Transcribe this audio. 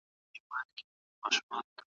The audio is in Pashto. ووایه رویباره پیغامونو ته به څه وایو